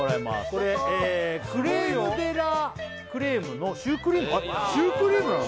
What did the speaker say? これクレームデラクレームのシュークリーム・シュークリームなの？